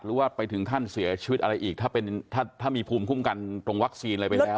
หรือว่าไปถึงขั้นเสียชีวิตอะไรอีกถ้ามีภูมิคุ้มกันตรงวัคซีนอะไรไปแล้ว